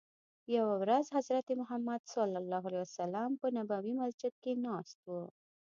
یوه ورځ حضرت محمد په نبوي مسجد کې ناست وو.